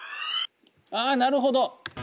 あなるほど。